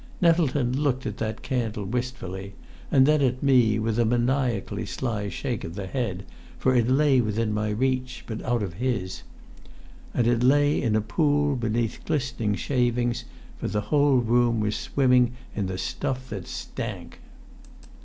Nettleton looked at that candle wistfully, and then at me, with a maniacally sly shake of the head; for it lay within my reach, but out of his; and it lay in a pool, beneath glistening shavings, for the whole room was swimming in the stuff that stank.